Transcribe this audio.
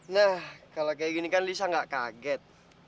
nah kalau kayak gini kan lisa gak kaget